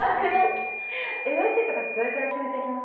ＭＣとかってどれくらい決めていきます？